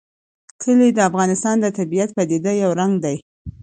کلي د افغانستان د طبیعي پدیدو یو رنګ دی.